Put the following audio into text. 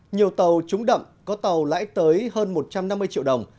nhiều tàu trúng đậm có tàu lãi tới hơn một trăm năm mươi triệu đồng